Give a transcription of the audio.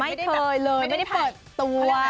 ไม่เคยเลยไม่ได้เปิดตัว